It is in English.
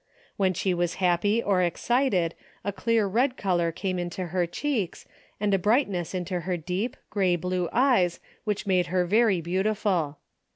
When she was happy or excited a clear red color came into her cheeks and a brightness into her deep, grey blue eyes which made her very beautiful.